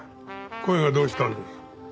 声がどうしたんだよ。